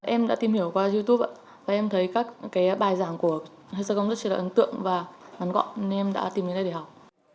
em đã tìm hiểu qua youtube và em thấy các bài giảng của hedgergen rất là ấn tượng và ngắn gọn nên em đã tìm đến đây để học